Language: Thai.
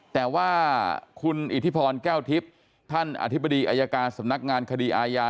แต่ว่าคุณอิทธิพรแก้วทิพย์ท่านอธิบดีอายการสำนักงานคดีอาญา